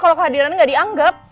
kalau kehadiran gak dianggap